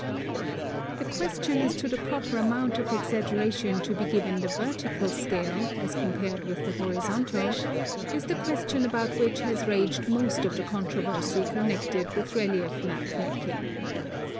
The question as to the proper amount of exaggeration to be given the vertical scale, as compared with the horizontal, is the question about which has raged most of the controversy con nected with relief map making.